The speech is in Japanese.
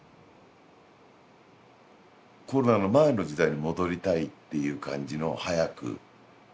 コロナの前の時代に戻りたいっていう感じの早く。